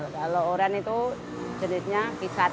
kalau oran itu jenisnya kisar